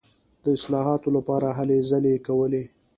د اصلاحاتو لپاره هلې ځلې کولې.